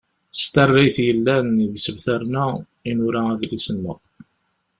S tarrayt yellan deg isebtaren-a i nura adlis-nneɣ.